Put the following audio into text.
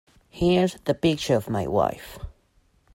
Here's the picture of my wife.